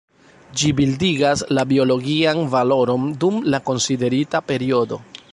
Ĝi bildigas la biologian valoron dum la konsiderita periodo.